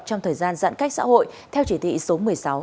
trong thời gian giãn cách xã hội theo chỉ thị số một mươi sáu